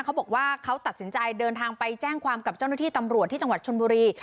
เขาบอกว่าเขาตัดสินใจเดินทางไปแจ้งความกับเจ้าหน้าที่ตำรวจที่จังหวัดชนบุรี